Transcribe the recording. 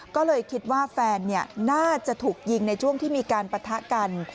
ก็เลยคิดว่าแฟนน่าจะถูกยิงในช่วงที่มีการปะทะกัน